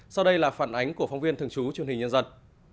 sau đây là phản ánh của phóng viên thường trú truyền hình nhân dân